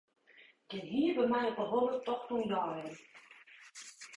Gjin hier by my op 'e holle tocht oan jeien.